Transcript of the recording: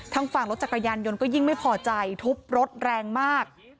ทางฝั่งรถจักรยานยนต์ก็ยิ่งไม่พอใจทุบรถแรงมาก